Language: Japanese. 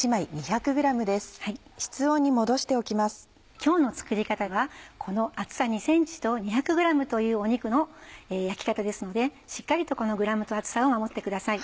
今日の作り方はこの厚さ２ｃｍと２００ｇという肉の焼き方ですのでしっかりとこのグラムと厚さを守ってください。